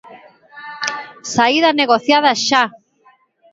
Saída negociada xa!